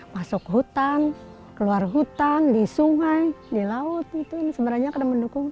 masuk hutan keluar hutan di sungai di laut sebenarnya karena mendukung